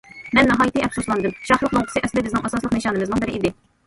مەن ناھايىتى ئەپسۇسلاندىم، شاھلىق لوڭقىسى ئەسلى بىزنىڭ ئاساسلىق نىشانىمىزنىڭ بىرى ئىدى.